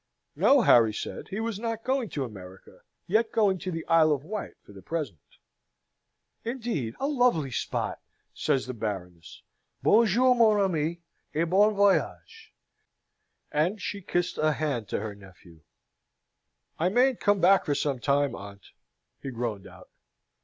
No, Harry said: he was not going to America yet going to the Isle of Wight for the present. "Indeed! a lovely spot!" says the Baroness. "Bon jour, mon ami, et bon voyage!" And she kissed a hand to her nephew. "I mayn't come back for some time, aunt," he groaned out.